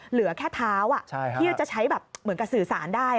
เหลือแค่เท้าที่จะใช้แบบเหมือนกับสื่อสารได้